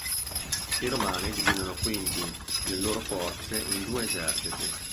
I romani dividono quindi le loro forze in due eserciti.